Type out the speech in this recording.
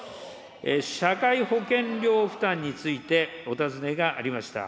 社会保険料負担についてお尋ねがありました。